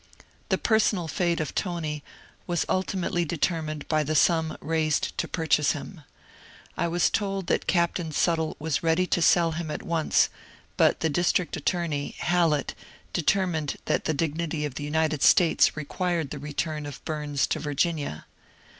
The personal fate of Tony was ultimately determined by the sum raised to purchase him. I was told that Captain Sut tle was ready to sell him at once, but the district attorney, Hallett, determined that the dignity of the United States required the return of Bums to Virginia.